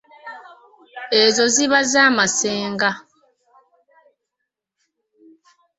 Ezo ziba za masenga.